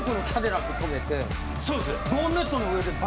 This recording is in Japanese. そうです！